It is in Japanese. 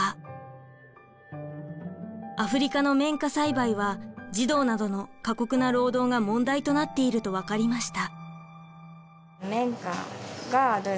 アフリカの綿花栽培は児童などの過酷な労働が問題となっていると分かりました。